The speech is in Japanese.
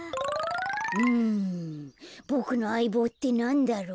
うんボクのあいぼうってなんだろう？